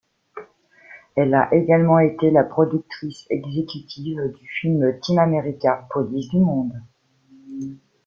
Elle a également été la productrice exécutive du film Team America, police du monde.